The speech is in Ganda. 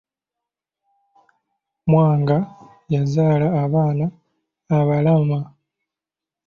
Mwanga yazaala abaana abaalama.